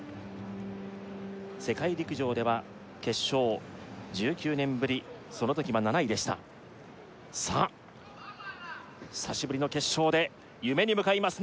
世界陸上では決勝１９年ぶりその時は７位でしたさあ久しぶりの決勝で夢に向かいます